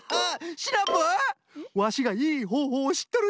シナプーワシがいいほうほうをしっとるんじゃ！